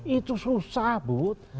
itu susah bud